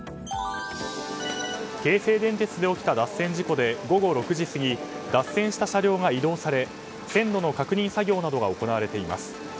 京成電鉄で起きた脱線事故で午後６時過ぎ脱線した車両が移動され線路の確認作業が行われています。